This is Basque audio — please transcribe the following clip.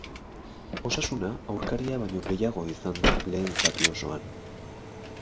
Osasuna aurkaria baino gehiago izan da lehen zati osoan.